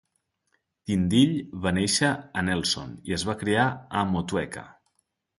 Tindill va néixer a Nelson i es va criar a Motueka.